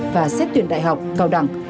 và xét tuyển đại học cao đẳng